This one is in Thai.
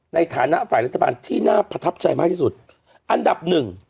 ในฐานะฝ่ายรัฐบาลที่น่าประทับใจมากที่สุดอันดับหนึ่ง